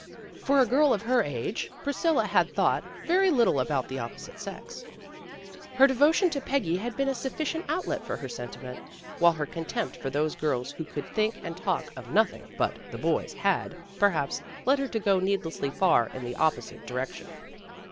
For a girl of her age, Priscilla had thought very little about the opposite sex. Her devo tion to Peggy had been a sufficient outlet for her sentiment, while her contempt for those girls who could think and talk of nothing but the "boys" had, perhaps, led her to go need lessly far in the opposite direction.